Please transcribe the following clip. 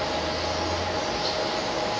สุดท้าย